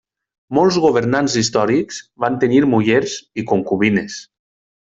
Molts governants històrics van tenir mullers i concubines.